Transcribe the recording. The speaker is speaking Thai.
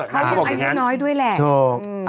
ไอ้นี่น้อยด้วยแหละ